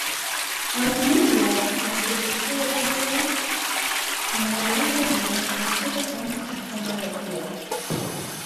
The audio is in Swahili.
na nomino na kugusia swala la mabadiliko ya maneno katika kiwango cha fonolojia